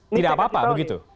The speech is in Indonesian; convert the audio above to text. tidak apa apa begitu